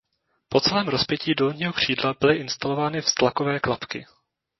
Po celém rozpětí dolního křídla byly instalovány vztlakové klapky.